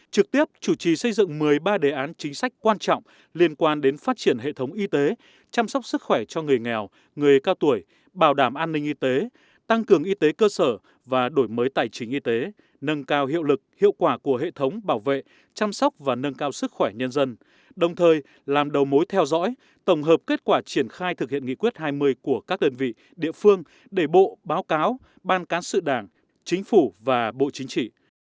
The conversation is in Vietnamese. trực tiếp chủ trì xây dựng một mươi ba đề án chính sách quan trọng liên quan đến phát triển hệ thống y tế chăm sóc sức khỏe cho người nghèo người cao tuổi bảo đảm an ninh y tế tăng cường y tế cơ sở và đổi mới tài chính y tế nâng cao hiệu lực hiệu quả của hệ thống bảo vệ chăm sóc và nâng cao sức khỏe nhân dân đồng thời làm đầu mối theo dõi tổng hợp kết quả triển khai thực hiện nghị quyết hai mươi của các đơn vị địa phương đề bộ báo cáo ban cán sự đảng chính phủ và bộ chính trị